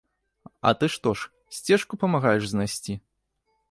А ты што ж, сцежку памагаеш знайсці?